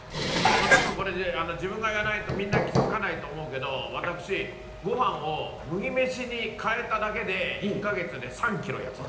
たぶん、これ、自分が言わないと、みんな気が付かないと思うけど、私、ごはんを麦飯に変えただけで１か月で３キロ痩せた。